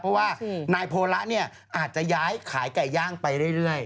เพราะว่านายโพละเนี่ยอาจจะย้ายขายไก่ย่างไปเรื่อย